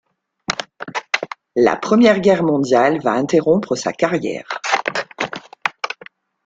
La Première Guerre mondiale va interrompre sa carrière.